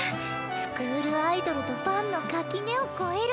スクールアイドルとファンの垣根を越える。